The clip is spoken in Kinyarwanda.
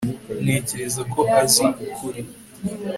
Ntekereza ko azi ukuri